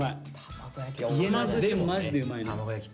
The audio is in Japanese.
マジでうまいな。